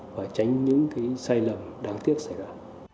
và tránh những cái sai lầm đáng tiếc xảy ra